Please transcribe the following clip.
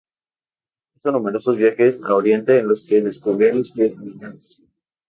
Hizo numerosos viajes a Oriente, en los que descubrió la espiritualidad.